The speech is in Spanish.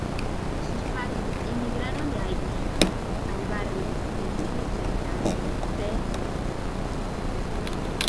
Sus padres emigraron de Haití al barrio de South Central de Los Ángeles.